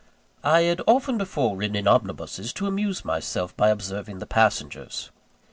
I had often before ridden in omnibuses to amuse myself by observing the passengers.